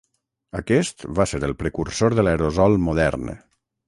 Aquest va ser el precursor de l'aerosol modern.